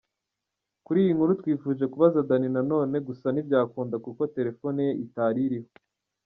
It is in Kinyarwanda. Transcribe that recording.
Kuri iyi nkuru twifuje kubaza Danny Nanone gusa ntibyakunda kuko telefone ye itari iriho.